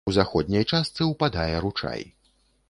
У заходняй частцы ўпадае ручай.